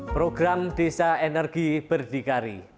program desa energi berdikari